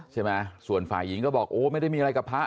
ใช่ไหมส่วนฝ่ายหญิงก็บอกโอ้ไม่ได้มีอะไรกับพระ